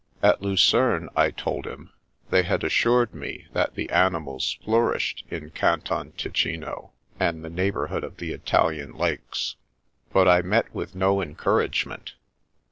At Lucerne, I told him, they had assured me that the animals " flour ished " in Canton Ticino and the neighbourhood of the Italian Lakes. But I met with no encourage ment.